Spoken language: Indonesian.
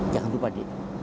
jangan lupa d